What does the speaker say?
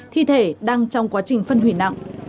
thi thể đang trong quá trình phân hủy nặng